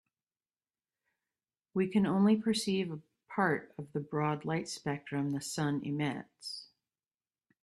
We can only perceive a part of the broad light spectrum the sun emits.